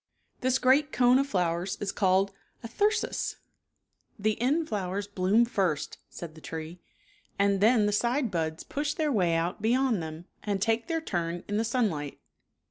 This great cone of flowers is called a thyrsus, " The end flowers bloom first," said the tree, " and then the side buds push their way out beyond them, and take their turn in the sunlight.